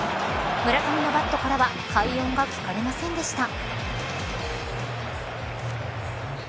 村上のバットからは快音が聞かれませんでした。